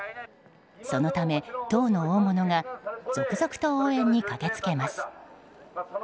そのため、党の大物が続々と応援に駆け付けます。